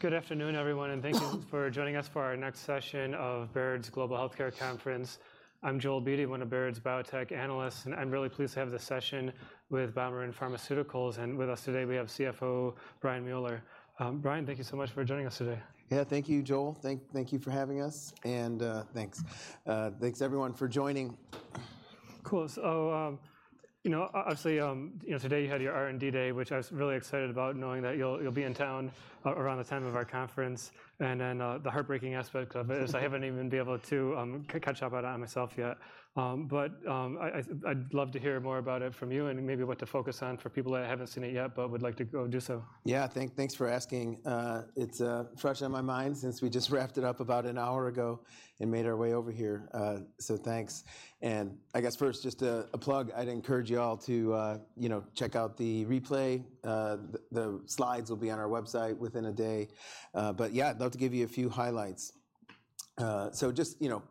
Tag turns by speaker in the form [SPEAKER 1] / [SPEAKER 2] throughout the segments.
[SPEAKER 1] Good afternoon, everyone, and thank you for joining us for our next session of Baird's Global Healthcare conference. I'm Joel Beatty, one of Baird's biotech analysts, and I'm really pleased to have this session with BioMarin Pharmaceutical. With us today, we have CFO Brian Mueller. Brian, thank you so much for joining us today.
[SPEAKER 2] Yeah, thank you, Joel. Thank you for having us, and thanks. Thanks, everyone, for joining.
[SPEAKER 1] Cool. So, you know, obviously, you know, today you had your R&D Day, which I was really excited about, knowing that you'll be in town around the time of our conference. And then, the heartbreaking aspect of it is I haven't even been able to catch up on it myself yet. But, I'd love to hear more about it from you and maybe what to focus on for people that haven't seen it yet but would like to go do so.
[SPEAKER 2] Yeah, thanks for asking. It's fresh on my mind since we just wrapped it up about an hour ago and made our way over here. So thanks. And I guess first, just a plug, I'd encourage you all to, you know, check out the replay. The slides will be on our website within a day. But yeah, I'd love to give you a few highlights. So just, you know,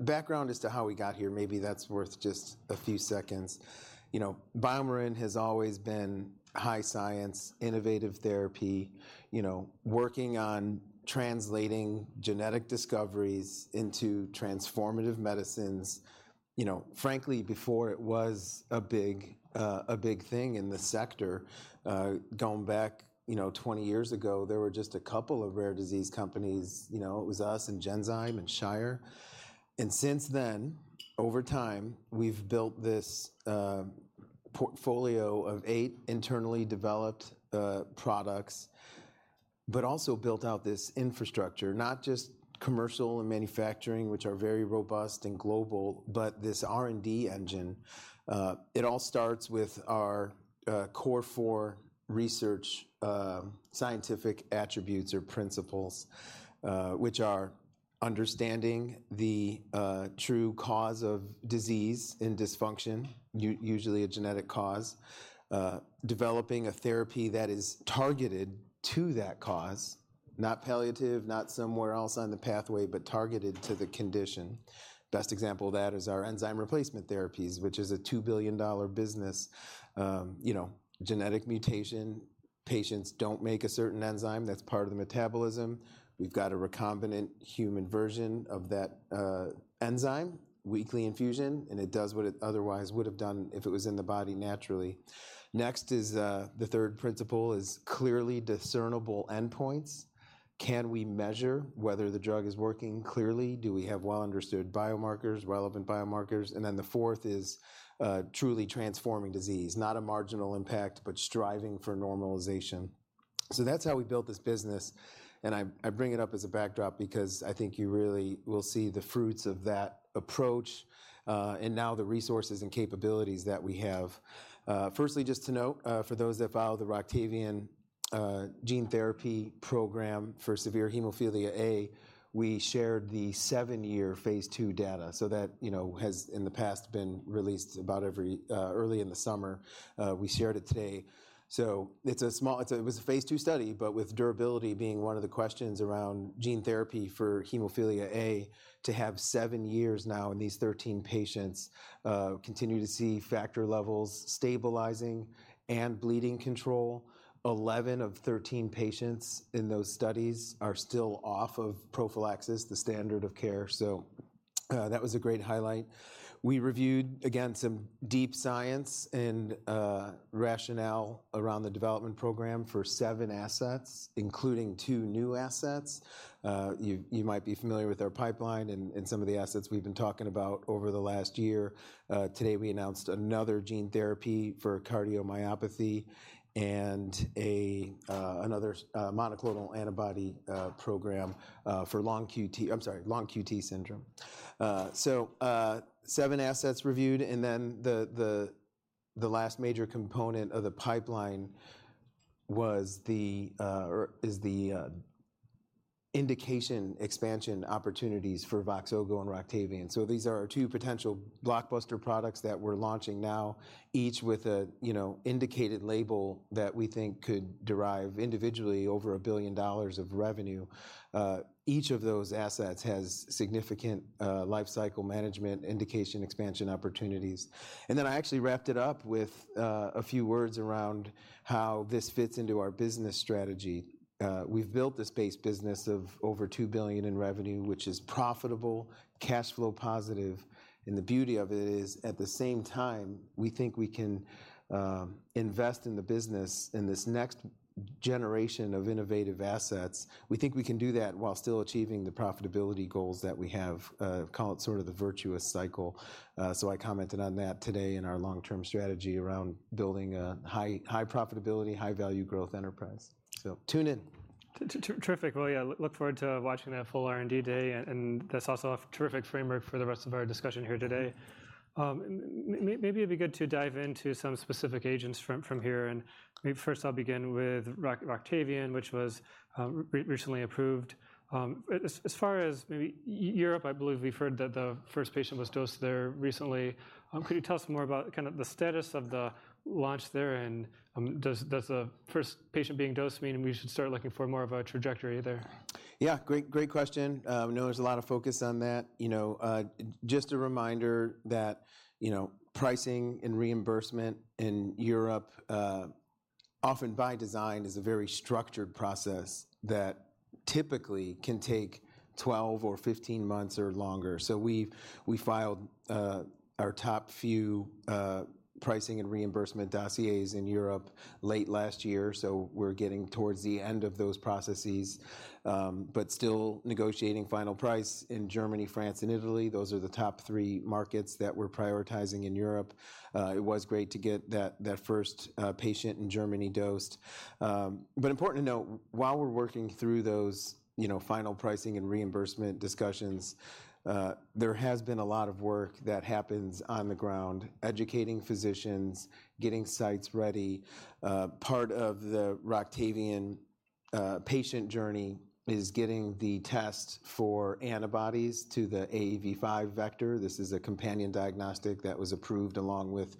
[SPEAKER 2] background as to how we got here, maybe that's worth just a few seconds. You know, BioMarin has always been high science, innovative therapy, you know, working on translating genetic discoveries into transformative medicines, you know, frankly, before it was a big, a big thing in the sector. Going back, you know, 20 years ago, there were just a couple of rare disease companies, you know, it was us and Genzyme and Shire. And since then, over time, we've built this portfolio of eight internally developed products, but also built out this infrastructure, not just commercial and manufacturing, which are very robust and global, but this R&D engine. It all starts with our core four research scientific attributes or principles, which are understanding the true cause of disease and dysfunction, usually a genetic cause. Developing a therapy that is targeted to that cause, not palliative, not somewhere else on the pathway, but targeted to the condition. Best example of that is our enzyme replacement therapies, which is a $2 billion business. You know, genetic mutation, patients don't make a certain enzyme that's part of the metabolism. We've got a recombinant human version of that enzyme, weekly infusion, and it does what it otherwise would have done if it was in the body naturally. Next is the third principle, is clearly discernible endpoints. Can we measure whether the drug is working clearly? Do we have well-understood biomarkers, relevant biomarkers? And then the fourth is truly transforming disease. Not a marginal impact, but striving for normalization. So that's how we built this business, and I bring it up as a backdrop because I think you really will see the fruits of that approach and now the resources and capabilities that we have. Firstly, just to note, for those that follow the Roctavian gene therapy program for severe hemophilia A, we shared the seven year phase II data. So that, you know, has, in the past, been released about every... Early in the summer. We shared it today. So it was a phase II study, but with durability being one of the questions around gene therapy for hemophilia A, to have seven years now in these 13 patients, continue to see factor levels stabilizing and bleeding control. 11 of 13 patients in those studies are still off of prophylaxis, the standard of care, so that was a great highlight. We reviewed, again, some deep science and rationale around the development program for seven assets, including two new assets. You might be familiar with our pipeline and some of the assets we've been talking about over the last year. Today, we announced another gene therapy for cardiomyopathy and another monoclonal antibody program for long QT syndrome. So, seven assets reviewed, and then the last major component of the pipeline was the, or is the, indication expansion opportunities for Voxzogo and Roctavian. These are our two potential blockbuster products that we're launching now, each with a, you know, indicated label that we think could derive individually over $1 billion of revenue. Each of those assets has significant, life cycle management, indication expansion opportunities. I actually wrapped it up with a few words around how this fits into our business strategy. We've built this base business of over $2 billion in revenue, which is profitable, cash flow positive, and the beauty of it is, at the same time, we think we can, you know, invest in the business in this next generation of innovative assets. We think we can do that while still achieving the profitability goals that we have, call it sort of the virtuous cycle. So I commented on that today in our long-term strategy around building a high, high profitability, high-value growth enterprise. So tune in.
[SPEAKER 1] Terrific. Well, yeah, look forward to watching that full R&D day, and that's also a terrific framework for the rest of our discussion here today. Maybe it'd be good to dive into some specific agents from here, and maybe first I'll begin with Roctavian, which was recently approved. As far as maybe Europe, I believe we've heard that the first patient was dosed there recently. Could you tell us more about kind of the status of the launch there, and does the first patient being dosed mean we should start looking for more of a trajectory there?...
[SPEAKER 2] Yeah, great, great question. We know there's a lot of focus on that. You know, just a reminder that, you know, pricing and reimbursement in Europe, often by design, is a very structured process that typically can take 12 or 15 months or longer. So we filed our top few pricing and reimbursement dossiers in Europe late last year, so we're getting towards the end of those processes, but still negotiating final price in Germany, France, and Italy. Those are the top three markets that we're prioritizing in Europe. It was great to get that first patient in Germany dosed. But important to note, while we're working through those, you know, final pricing and reimbursement discussions, there has been a lot of work that happens on the ground, educating physicians, getting sites ready. Part of the Roctavian patient journey is getting the test for antibodies to the AAV5 vector. This is a companion diagnostic that was approved along with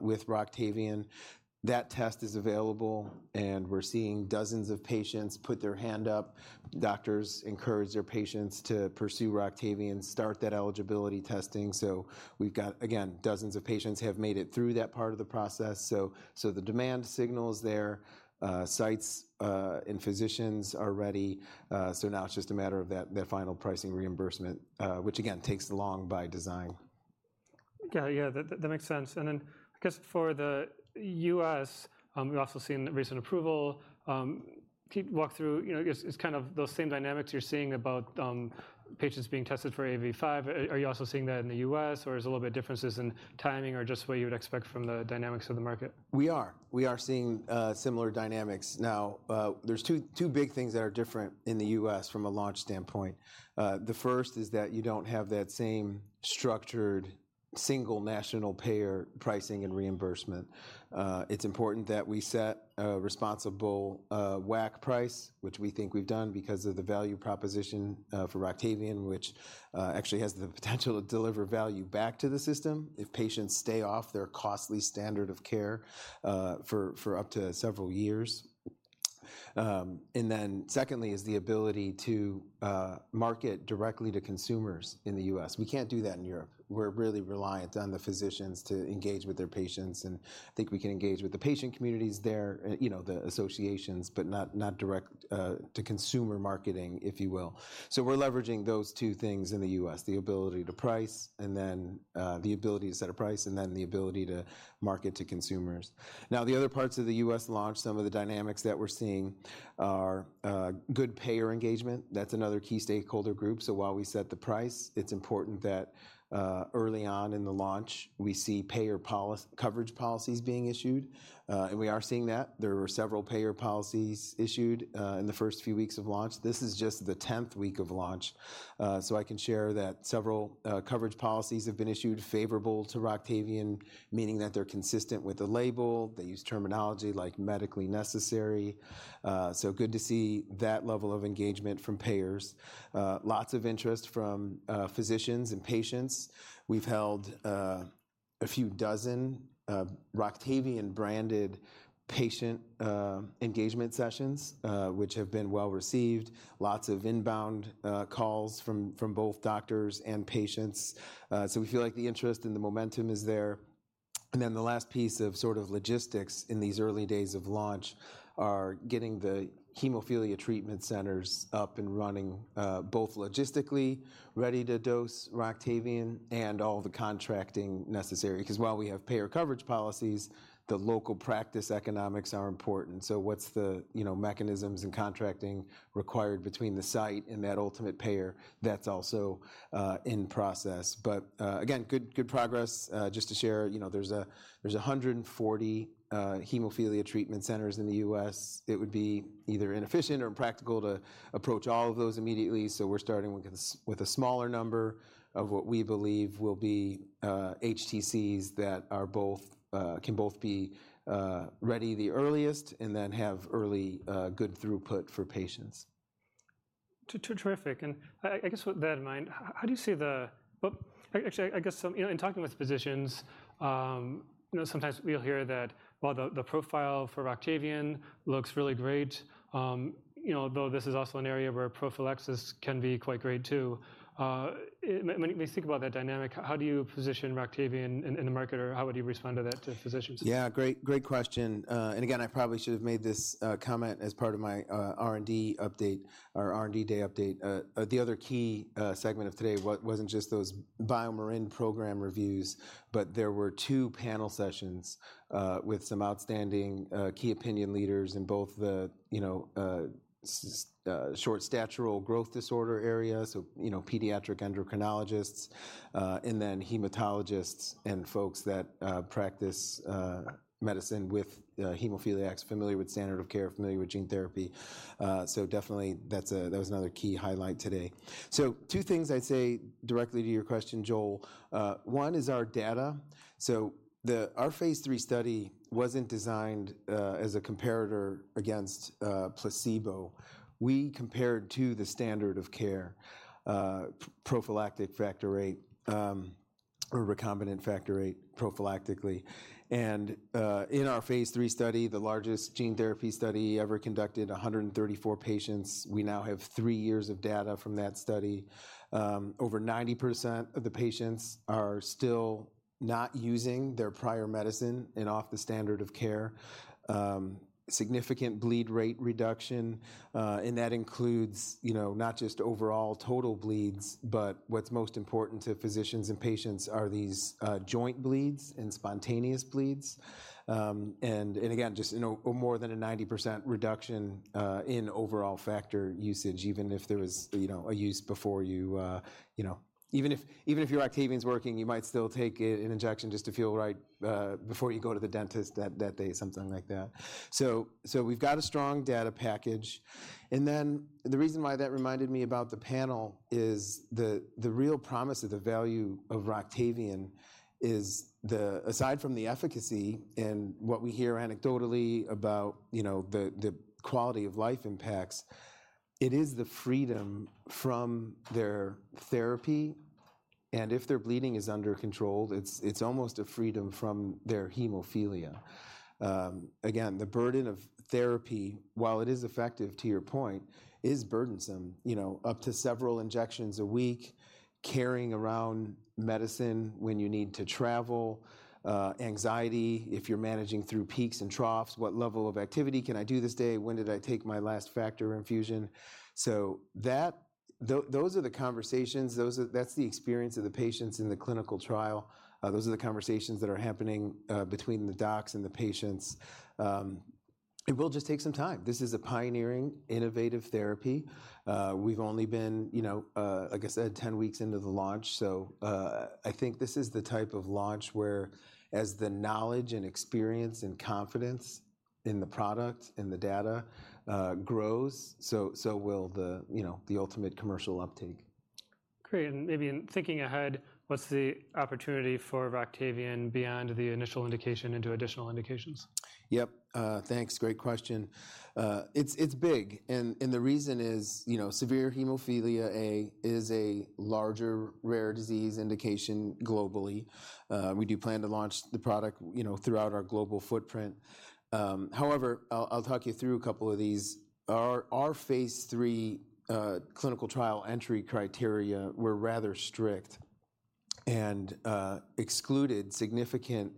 [SPEAKER 2] with Roctavian. That test is available, and we're seeing dozens of patients put their hand up. Doctors encourage their patients to pursue Roctavian, start that eligibility testing. So we've got, again, dozens of patients have made it through that part of the process. So the demand signal is there. Sites and physicians are ready, so now it's just a matter of that final pricing reimbursement, which again, takes long by design.
[SPEAKER 1] Yeah, yeah, that, that makes sense. And then I guess for the U.S., we've also seen recent approval. Can you walk through... You know, I guess it's kind of those same dynamics you're seeing about, patients being tested for AAV5. Are you also seeing that in the U.S., or is there a little bit differences in timing or just what you would expect from the dynamics of the market?
[SPEAKER 2] We are. We are seeing similar dynamics. Now, there's two, two big things that are different in the U.S. from a launch standpoint. The first is that you don't have that same structured, single national payer pricing and reimbursement. It's important that we set a responsible WAC price, which we think we've done because of the value proposition for Roctavian, which actually has the potential to deliver value back to the system if patients stay off their costly standard of care for up to several years. And then secondly, is the ability to market directly to consumers in the U.S. We can't do that in Europe. We're really reliant on the physicians to engage with their patients, and I think we can engage with the patient communities there, you know, the associations, but not, not direct, to consumer marketing, if you will. So we're leveraging those two things in the U.S.: the ability to price, and then, the ability to set a price, and then the ability to market to consumers. Now, the other parts of the U.S. launch, some of the dynamics that we're seeing are, good payer engagement. That's another key stakeholder group. So while we set the price, it's important that, early on in the launch, we see payer policy coverage policies being issued, and we are seeing that. There were several payer policies issued, in the first few weeks of launch. This is just the tenth week of launch. So I can share that several coverage policies have been issued favorable to Roctavian, meaning that they're consistent with the label. They use terminology like medically necessary. So good to see that level of engagement from payers. Lots of interest from physicians and patients. We've held a few dozen Roctavian-branded patient engagement sessions, which have been well-received. Lots of inbound calls from both doctors and patients. So we feel like the interest and the momentum is there. And then the last piece of sort of logistics in these early days of launch are getting the hemophilia treatment centers up and running both logistically ready to dose Roctavian and all the contracting necessary. Because while we have payer coverage policies, the local practice economics are important. So what's the, you know, mechanisms and contracting required between the site and that ultimate payer? That's also in process. But again, good progress. Just to share, you know, there's 140 hemophilia treatment centers in the U.S. It would be either inefficient or impractical to approach all of those immediately, so we're starting with a smaller number of what we believe will be HTCs that are both ready the earliest and then have early good throughput for patients.
[SPEAKER 1] Terrific. And I guess with that in mind, how do you see the... Well, actually, I guess, so, you know, in talking with physicians, you know, sometimes we'll hear that, while the profile for Roctavian looks really great, you know, though this is also an area where prophylaxis can be quite great too. When we think about that dynamic, how do you position Roctavian in the market, or how would you respond to that, to physicians?
[SPEAKER 2] Yeah, great, great question. And again, I probably should have made this comment as part of my R&D update or R&D Day update. The other key segment of today wasn't just those BioMarin program reviews, but there were two panel sessions with some outstanding key opinion leaders in both the, you know, short statural growth disorder area, so, you know, pediatric endocrinologists, and then hematologists and folks that practice medicine with hemophiliacs, familiar with standard of care, familiar with gene therapy. Definitely that's a... That was another key highlight today. Two things I'd say directly to your question, Joel. One is our data. Our phase III study wasn't designed as a comparator against placebo. We compared to the standard of care, prophylactic factor VIII. or recombinant factor VIII prophylactically. And in our phase III study, the largest gene therapy study ever conducted, 134 patients, we now have three years of data from that study. Over 90% of the patients are still not using their prior medicine and off the standard of care. Significant bleed rate reduction, and that includes, you know, not just overall total bleeds, but what's most important to physicians and patients are these joint bleeds and spontaneous bleeds. And again, just, you know, more than 90% reduction in overall factor usage, even if there was, you know, a use before you, you know - Even if, even if your Roctavian's working, you might still take an injection just to feel right before you go to the dentist that day, something like that. So we've got a strong data package. Then the reason why that reminded me about the panel is the real promise of the value of Roctavian is the... Aside from the efficacy and what we hear anecdotally about, you know, the quality of life impacts, it is the freedom from their therapy, and if their bleeding is under control, it's almost a freedom from their hemophilia. Again, the burden of therapy, while it is effective, to your point, is burdensome, you know, up to several injections a week, carrying around medicine when you need to travel, anxiety if you're managing through peaks and troughs. What level of activity can I do this day? When did I take my last factor infusion? So that, those are the conversations, those are, that's the experience of the patients in the clinical trial. Those are the conversations that are happening between the docs and the patients. It will just take some time. This is a pioneering, innovative therapy. We've only been, you know, like I said, 10 weeks into the launch. So, I think this is the type of launch where, as the knowledge and experience and confidence in the product, in the data, grows, so will the, you know, the ultimate commercial uptake.
[SPEAKER 1] Great! And maybe in thinking ahead, what's the opportunity for Roctavian beyond the initial indication into additional indications?
[SPEAKER 2] Yep. Thanks. Great question. It's big, and the reason is, you know, severe hemophilia A is a larger rare disease indication globally. We do plan to launch the product, you know, throughout our global footprint. However, I'll talk you through a couple of these. Our phase III clinical trial entry criteria were rather strict and excluded significant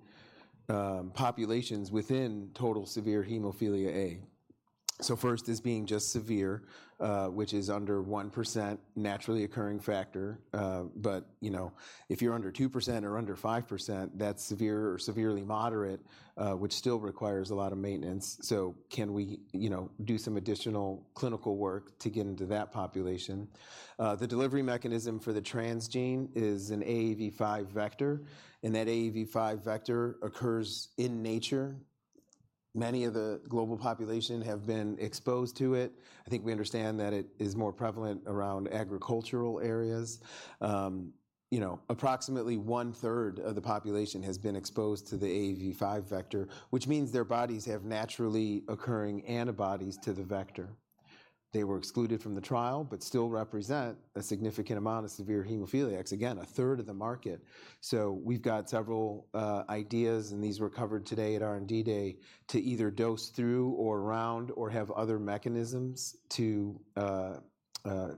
[SPEAKER 2] populations within total severe hemophilia A. So first is being just severe, which is under 1% naturally occurring factor, but, you know, if you're under 2% or under 5%, that's severe or severely moderate, which still requires a lot of maintenance. So can we, you know, do some additional clinical work to get into that population? The delivery mechanism for the transgene is an AAV5 vector, and that AAV5 vector occurs in nature. Many of the global population have been exposed to it. I think we understand that it is more prevalent around agricultural areas. You know, approximately one-third of the population has been exposed to the AAV5 vector, which means their bodies have naturally occurring antibodies to the vector. They were excluded from the trial, but still represent a significant amount of severe hemophiliacs, again, a third of the market. So we've got several ideas, and these were covered today at R&D Day, to either dose through or around or have other mechanisms to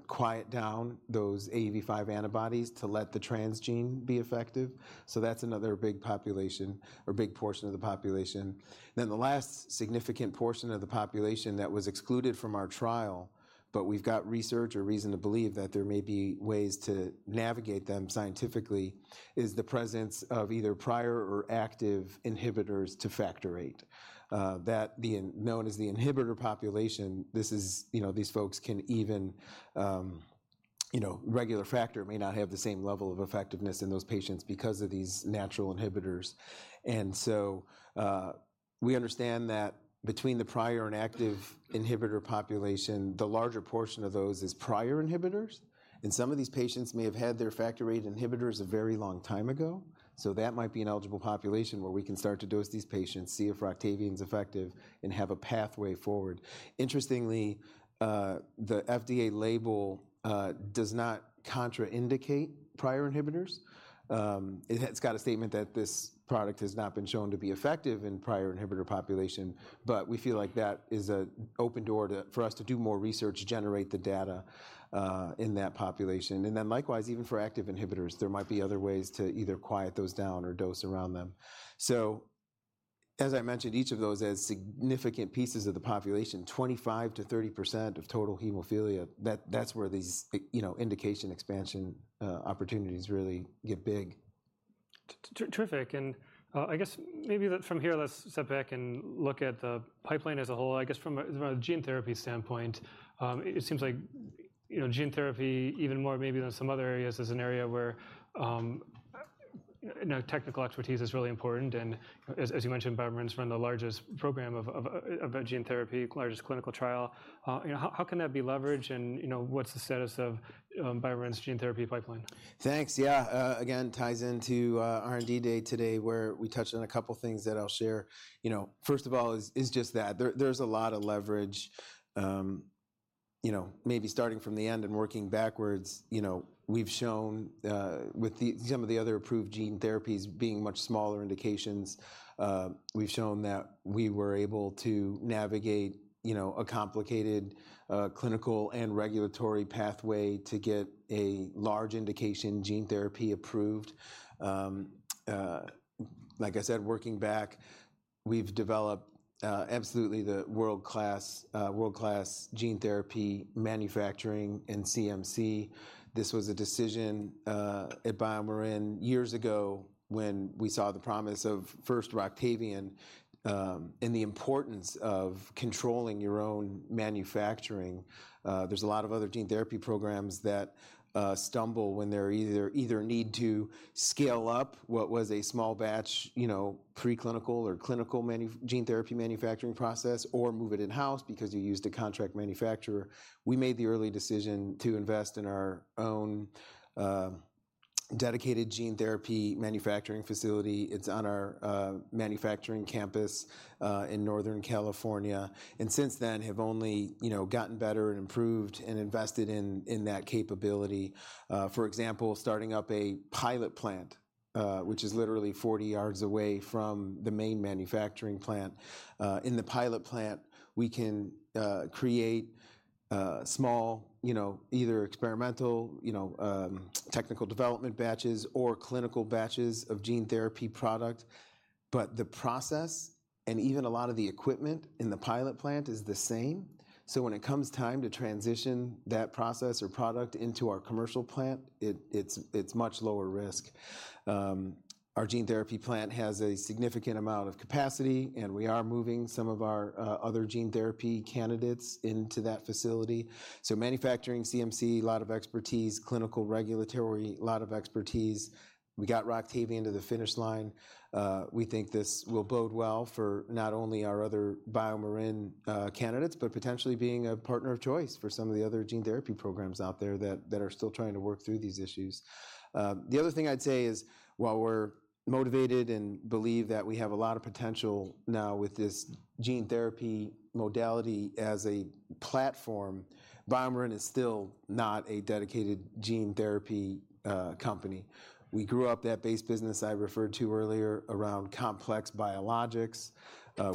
[SPEAKER 2] quiet down those AAV5 antibodies to let the transgene be effective. So that's another big population or big portion of the population. Then the last significant portion of the population that was excluded from our trial, but we've got research or reason to believe that there may be ways to navigate them scientifically, is the presence of either prior or active inhibitors to Factor VIII. That being known as the inhibitor population, this is... You know, these folks can even, you know, regular factor may not have the same level of effectiveness in those patients because of these natural inhibitors. And so, we understand that between the prior and active inhibitor population, the larger portion of those is prior inhibitors, and some of these patients may have had their Factor VIII inhibitors a very long time ago. So that might be an eligible population where we can start to dose these patients, see if Roctavian's effective, and have a pathway forward. Interestingly, the FDA label does not contraindicate prior inhibitors. It's got a statement that this product has not been shown to be effective in prior inhibitor population, but we feel like that is an open door to, for us to do more research, generate the data, in that population. And then likewise, even for active inhibitors, there might be other ways to either quiet those down or dose around them. So as I mentioned, each of those has significant pieces of the population, 25%-30% of total hemophilia, that's where these, you know, indication expansion opportunities really get big.
[SPEAKER 1] Terrific. And I guess maybe from here, let's step back and look at the pipeline as a whole. I guess from a gene therapy standpoint, it seems like, you know, gene therapy even more maybe than some other areas, is an area where you know, technical expertise is really important. And as you mentioned, BioMarin's run the largest program of a gene therapy, largest clinical trial. You know, how can that be leveraged and, you know, what's the status of BioMarin's gene therapy pipeline?
[SPEAKER 2] Thanks. Yeah, again, ties into R&D Day today, where we touched on a couple of things that I'll share. You know, first of all, is just that. There's a lot of leverage, you know, maybe starting from the end and working backwards, you know, we've shown with some of the other approved gene therapies being much smaller indications, we've shown that we were able to navigate, you know, a complicated clinical and regulatory pathway to get a large indication gene therapy approved. Like I said, working back, we've developed absolutely the world-class gene therapy manufacturing in CMC. This was a decision at BioMarin years ago when we saw the promise of first Roctavian and the importance of controlling your own manufacturing. There's a lot of other gene therapy programs that stumble when they're either need to scale up what was a small batch, you know, preclinical or clinical gene therapy manufacturing process, or move it in-house because you used a contract manufacturer. We made the early decision to invest in our own dedicated gene therapy manufacturing facility. It's on our manufacturing campus in Northern California, and since then, have only, you know, gotten better and improved and invested in that capability. For example, starting up a pilot plant, which is literally 40 yards away from the main manufacturing plant. In the pilot plant, we can create small, you know, either experimental, you know, technical development batches or clinical batches of gene therapy product. But the process and even a lot of the equipment in the pilot plant is the same, so when it comes time to transition that process or product into our commercial plant, it's much lower risk. Our gene therapy plant has a significant amount of capacity, and we are moving some of our other gene therapy candidates into that facility. So manufacturing CMC, a lot of expertise, clinical, regulatory, a lot of expertise. We got Roctavian to the finish line. We think this will bode well for not only our other BioMarin candidates, but potentially being a partner of choice for some of the other gene therapy programs out there that are still trying to work through these issues. The other thing I'd say is, while we're motivated and believe that we have a lot of potential now with this gene therapy modality as a platform, BioMarin is still not a dedicated gene therapy company. We grew up that base business I referred to earlier around complex biologics.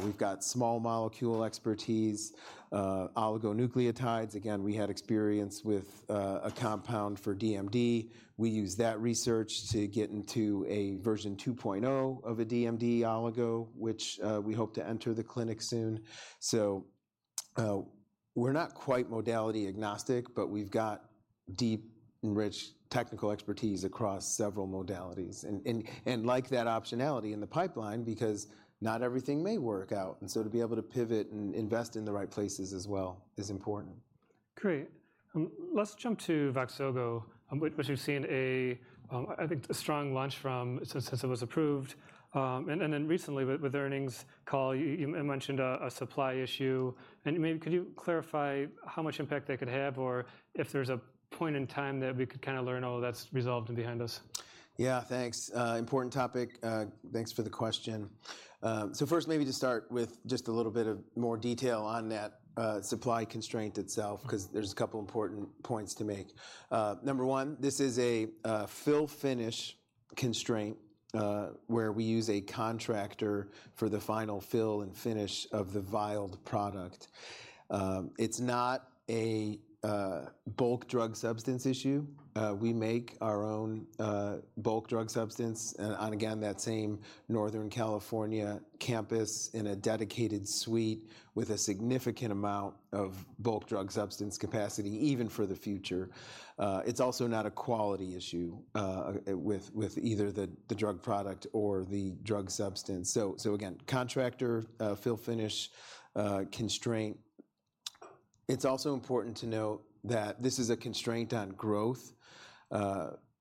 [SPEAKER 2] We've got small molecule expertise, oligonucleotides. Again, we had experience with a compound for DMD. We used that research to get into a version 2.0 of a DMD oligo, which we hope to enter the clinic soon. So, we're not quite modality agnostic, but we've got deep, rich technical expertise across several modalities and like that optionality in the pipeline, because not everything may work out. And so to be able to pivot and invest in the right places as well is important.
[SPEAKER 1] Great. Let's jump to Voxzogo, which we've seen a strong launch from since it was approved. And then recently with earnings call, you mentioned a supply issue, and maybe could you clarify how much impact that could have or if there's a point in time that we could kind of learn all that's resolved and behind us?
[SPEAKER 2] Yeah, thanks. Important topic. Thanks for the question. So first, maybe to start with just a little bit of more detail on that, supply constraint itself, because there's a couple important points to make. Number one, this is a, fill finish constraint, where we use a contractor for the final fill and finish of the vialed product. It's not a, bulk drug substance issue. We make our own, bulk drug substance, on again, that same Northern California campus in a dedicated suite with a significant amount of bulk drug substance capacity, even for the future. It's also not a quality issue, with, with either the, the drug product or the drug substance. So, so again, contractor, fill finish, constraint. It's also important to note that this is a constraint on growth.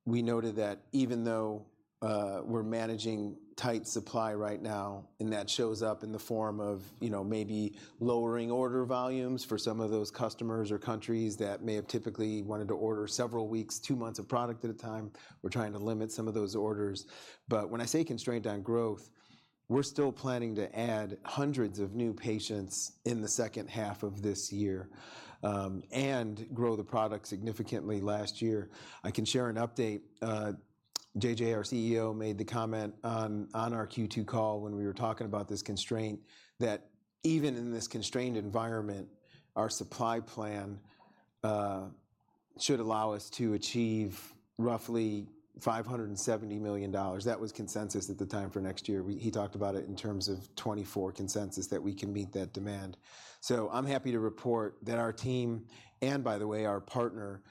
[SPEAKER 2] We noted that even though, we're managing tight supply right now, and that shows up in the form of, you know, maybe lowering order volumes for some of those customers or countries that may have typically wanted to order several weeks, two months of product at a time, we're trying to limit some of those orders. But when I say constraint on growth, we're still planning to add hundreds of new patients in the second half of this year, and grow the product significantly last year. I can share an update. JJ, our CEO, made the comment on, on our Q2 call when we were talking about this constraint, that even in this constrained environment, our supply plan should allow us to achieve roughly $570 million. That was consensus at the time for next year. He talked about it in terms of 2024 consensus that we can meet that demand. So I'm happy to report that our team and by the way, our partner,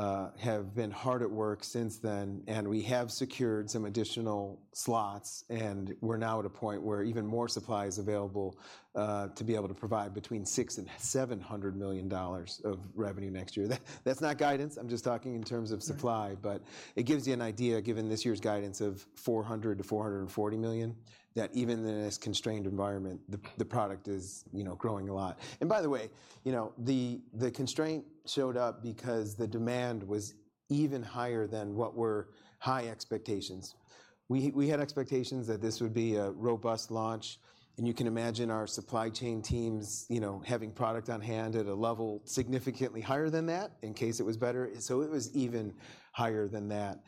[SPEAKER 2] have been hard at work since then, and we have secured some additional slots, and we're now at a point where even more supply is available, to be able to provide between $600 million and $700 million of revenue next year. That's not guidance. I'm just talking in terms of supply, but it gives you an idea, given this year's guidance of $400 million-$440 million, that even in this constrained environment, the product is, you know, growing a lot. And by the way, you know, the constraint showed up because the demand was even higher than what were high expectations. We had expectations that this would be a robust launch, and you can imagine our supply chain teams, you know, having product on hand at a level significantly higher than that, in case it was better. So it was even higher than that.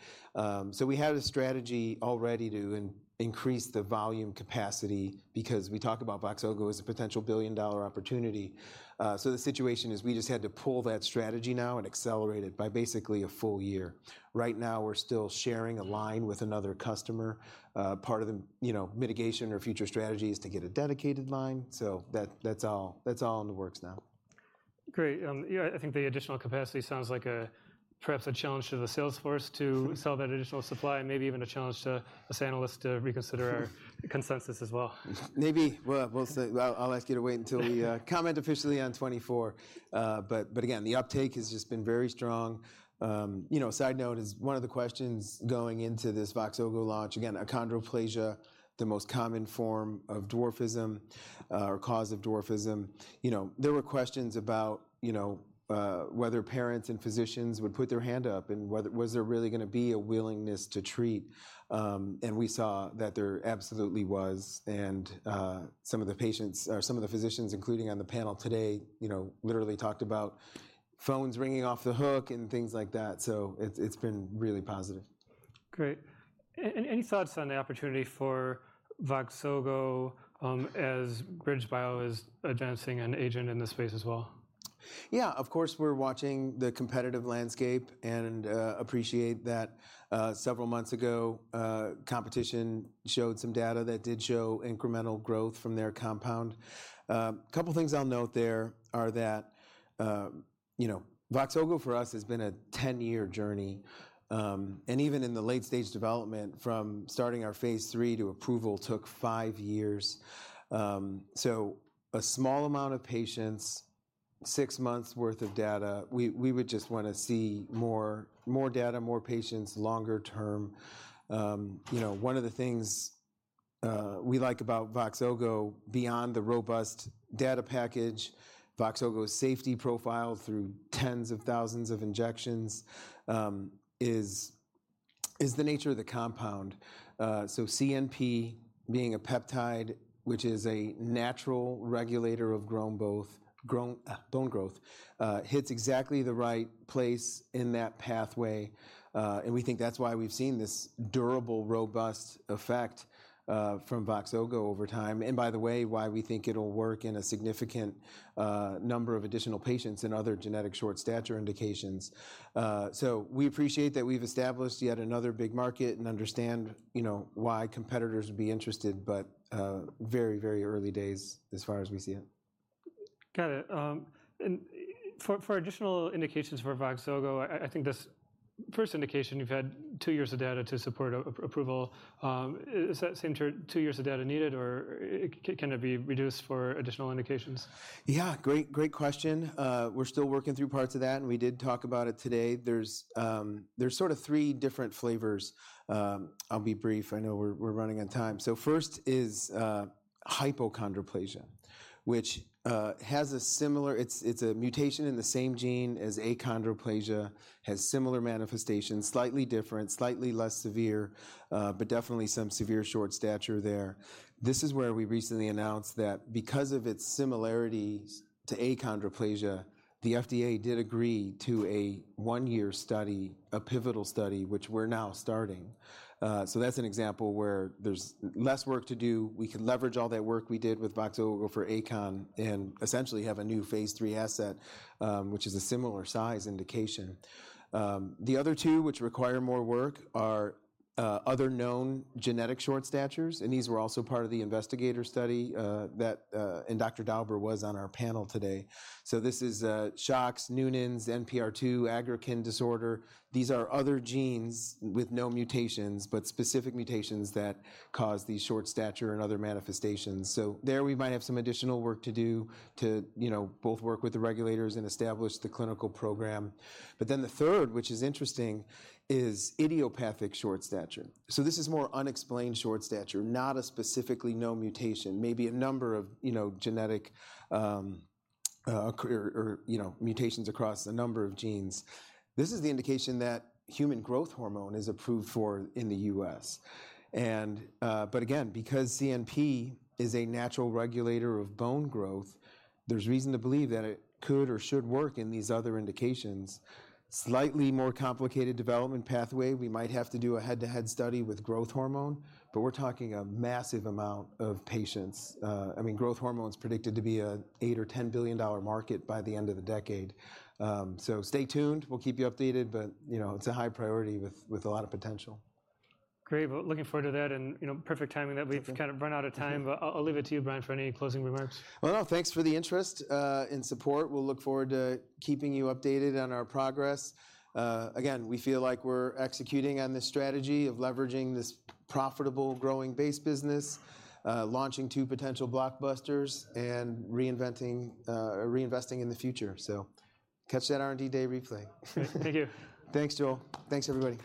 [SPEAKER 2] So we had a strategy already to increase the volume capacity because we talk about Voxzogo as a potential billion-dollar opportunity. So the situation is we just had to pull that strategy now and accelerate it by basically a full year. Right now, we're still sharing a line with another customer. Part of the, you know, mitigation or future strategy is to get a dedicated line. So that, that's all, that's all in the works now....
[SPEAKER 1] Great. Yeah, I think the additional capacity sounds like a, perhaps a challenge to the sales force to sell that additional supply, and maybe even a challenge to us analysts to reconsider our consensus as well.
[SPEAKER 2] Maybe. We'll see. I'll ask you to wait until we comment officially on 2024. But again, the uptake has just been very strong. You know, side note is one of the questions going into this Voxzogo launch, again, achondroplasia, the most common form of dwarfism, or cause of dwarfism. You know, there were questions about, you know, whether parents and physicians would put their hand up, and whether there was really gonna be a willingness to treat? And we saw that there absolutely was, and some of the patients, or some of the physicians, including on the panel today, you know, literally talked about phones ringing off the hook and things like that. So it's been really positive.
[SPEAKER 1] Great. Any thoughts on the opportunity for Voxzogo, as BridgeBio is advancing an agent in this space as well?
[SPEAKER 2] Yeah, of course, we're watching the competitive landscape and appreciate that several months ago, a competitor showed some data that did show incremental growth from their compound. A couple of things I'll note there are that you know, Voxzogo for us has been a 10-year journey. And even in the late-stage development, from starting our phase III to approval took five years. So a small amount of patients, six months' worth of data, we would just wanna see more, more data, more patients, longer term. You know, one of the things we like about Voxzogo, beyond the robust data package, Voxzogo's safety profile through tens of thousands of injections, is the nature of the compound. So CNP being a peptide, which is a natural regulator of bone growth, hits exactly the right place in that pathway, and we think that's why we've seen this durable, robust effect from Voxzogo over time. And by the way, why we think it'll work in a significant number of additional patients in other genetic short stature indications. So we appreciate that we've established yet another big market and understand, you know, why competitors would be interested, but very, very early days as far as we see it.
[SPEAKER 1] Got it. For additional indications for Voxzogo, I think this first indication, you've had two years of data to support approval. Is that same two years of data needed, or can it be reduced for additional indications?
[SPEAKER 2] Yeah, great, great question. We're still working through parts of that, and we did talk about it today. There's sort of three different flavors. I'll be brief; I know we're running on time. So first is Hypochondroplasia, which has a similar... It's a mutation in the same gene as achondroplasia, has similar manifestations, slightly different, slightly less severe, but definitely some severe short stature there. This is where we recently announced that because of its similarities to achondroplasia, the FDA did agree to a one-year study, a pivotal study, which we're now starting. So that's an example where there's less work to do. We can leverage all that work we did with Voxzogo for ACAN and essentially have a new phase III asset, which is a similar size indication. The other two, which require more work, are other known genetic short statures, and these were also part of the investigator study that Dr. Dauber was on our panel today. This is SHOX, Noonan syndrome, NPR2, ACAN disorder. These are other genes with no mutations, but specific mutations that cause the short stature and other manifestations. There we might have some additional work to do to, you know, both work with the regulators and establish the clinical program. The third, which is interesting, is idiopathic short stature. This is more unexplained short stature, not a specifically no mutation, maybe a number of, you know, genetic, you know, career or, you know, mutations across a number of genes. This is the indication that human growth hormone is approved for in the U.S. And, but again, because CNP is a natural regulator of bone growth, there's reason to believe that it could or should work in these other indications. Slightly more complicated development pathway. We might have to do a head-to-head study with growth hormone, but we're talking a massive amount of patients. I mean, growth hormone is predicted to be an $8 billion-$10 billion market by the end of the decade. So stay tuned. We'll keep you updated, but, you know, it's a high priority with, with a lot of potential.
[SPEAKER 1] Great, well, looking forward to that and, you know, perfect timing that we've-
[SPEAKER 2] Okay...
[SPEAKER 1] kind of run out of time. But I'll, I'll leave it to you, Brian, for any closing remarks.
[SPEAKER 2] Well, thanks for the interest and support. We'll look forward to keeping you updated on our progress. Again, we feel like we're executing on this strategy of leveraging this profitable, growing base business, launching two potential blockbusters, and reinventing or reinvesting in the future. So catch that R&D Day replay.
[SPEAKER 1] Thank you.
[SPEAKER 2] Thanks, Joel. Thanks, everybody.